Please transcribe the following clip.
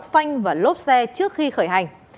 phanh và lốp xe trước khi khởi hành